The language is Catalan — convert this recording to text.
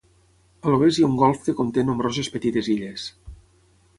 A l'oest hi ha un golf que conté nombroses petites illes.